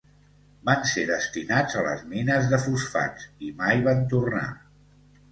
Van ser destinats a les mines de fosfats i mai van tornar.